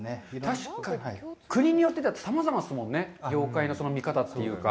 確かに、国によって、さまざまですもんね、妖怪の見方というか。